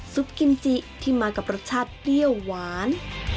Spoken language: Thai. กิมจิที่มากับรสชาติเปรี้ยวหวาน